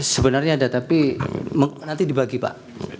sebenarnya ada tapi nanti dibagi pak